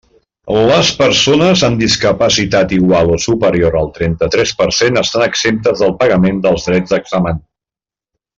Les persones amb discapacitat igual o superior al trenta-tres per cent, estan exemptes del pagament dels drets d'examen.